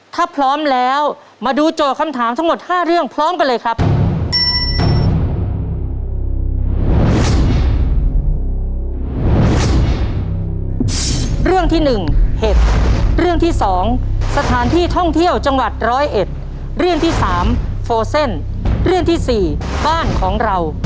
ถ้าพร้อมแล้วมาดูโจทย์คำถามทั้งหมด๕เรื่องพร้อมกันเลยครับ